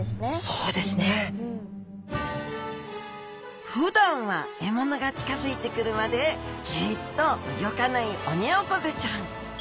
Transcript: そうですね。ふだんは獲物が近づいてくるまでじっと動かないオニオコゼちゃん。